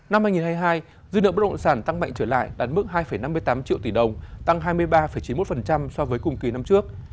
năm hai nghìn hai mươi hai dư nợ bất động sản tăng mạnh trở lại đạt mức hai năm mươi tám triệu tỷ đồng tăng hai mươi ba chín mươi một so với cùng kỳ năm trước